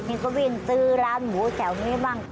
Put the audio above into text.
นี่ก็วิ่งซื้อร้านหมูแถวนี้บ้าง